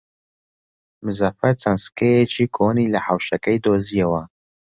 مزەفەر چەند سکەیەکی کۆنی لە حەوشەکەی دۆزییەوە.